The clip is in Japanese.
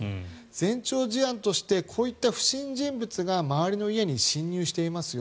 前兆事案としてこういった不審人物が周りの家に侵入していますよ